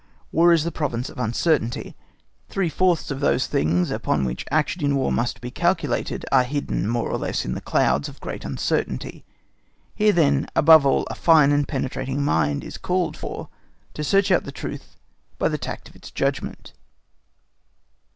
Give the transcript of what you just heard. War is the province of uncertainty: three fourths of those things upon which action in War must be calculated, are hidden more or less in the clouds of great uncertainty. Here, then, above all a fine and penetrating mind is called for, to search out the truth by the tact of its judgment.